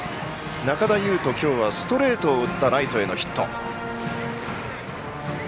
仲田侑仁、今日はストレートを打ったライトへのヒット。